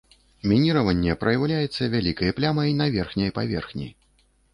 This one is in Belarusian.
Мініраванне праяўляецца вялікай плямай на верхняй паверхні.